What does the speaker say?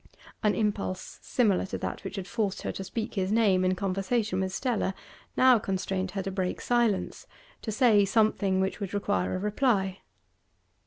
An impulse similar to that which had forced her to speak his name in conversation with Stella now constrained her to break silence, to say something which would require a reply.